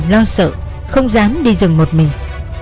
lo sợ không dám đi rừng một mình